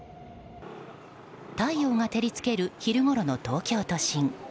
太陽が照り付ける昼ごろの東京都心。